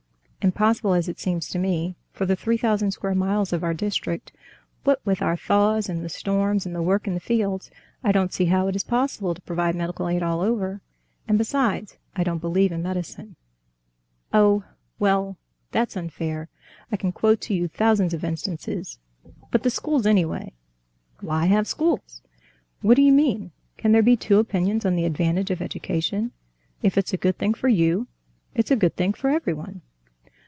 "Impossible, as it seems to me.... For the three thousand square miles of our district, what with our thaws, and the storms, and the work in the fields, I don't see how it is possible to provide medical aid all over. And besides, I don't believe in medicine." "Oh, well, that's unfair ... I can quote to you thousands of instances.... But the schools, anyway." "Why have schools?" "What do you mean? Can there be two opinions of the advantage of education? If it's a good thing for you, it's a good thing for everyone."